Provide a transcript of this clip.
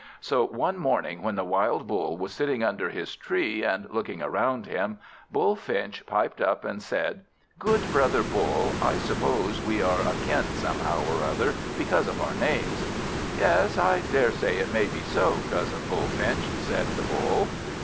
So one morning, when the wild Bull was sitting under his tree, and looking around him, Bullfinch piped up, and said "Good brother Bull, I suppose we are akin somehow or other, because of our names." "Yes, I daresay it may be so, Cousin Bullfinch," said the Bull.